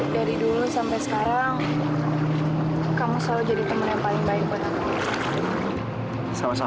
dari dulu sampai sekarang kamu selalu jadi teman yang paling baik buat aku sama sama siang